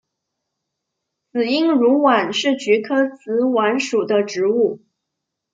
紫缨乳菀是菊科紫菀属的植物。